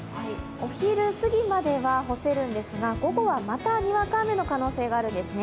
お昼過ぎまでは干せるんですが午後はまた、にわか雨の可能性があるんですね。